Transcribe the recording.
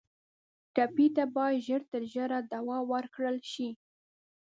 ټپي ته باید ژر تر ژره دوا ورکړل شي.